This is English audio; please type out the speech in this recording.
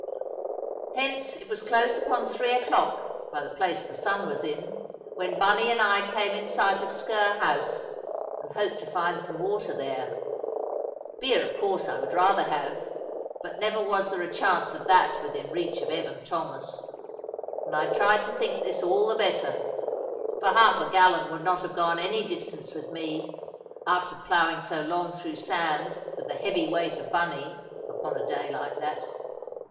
Hence it was close upon three o'clock, by the place the sun was in, when Bunny and I came in sight of Sker house, and hoped to find some water there. Beer, of course, I would rather have; but never was there a chance of that within reach of Evan Thomas. And I tried to think this all the better; for half a gallon would not have gone any distance with me, after ploughing so long through sand, with the heavy weight of Bunny, upon a day like that.